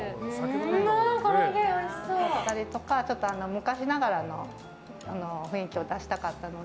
昔ながらの雰囲気を出したかったので。